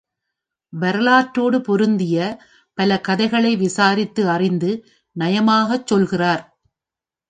வரலாற்றோடு பொருந்திய பலகதைகளை விசாரித்து அறிந்து நயமாகச் சொல்கிறார்.